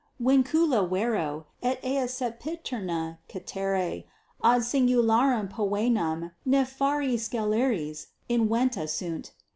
Vincula vero et ea sempiterna certe ad singularem poenam nefarii sceleris inventa sunt.